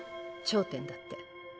頂点だって。